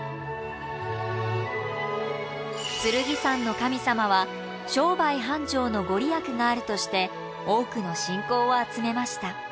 剣山の神様は商売繁盛の御利益があるとして多くの信仰を集めました。